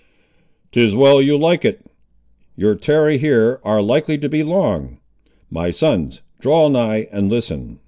"Tis well you like it. Your tarry here ar' likely to be long. My sons, draw nigh and listen.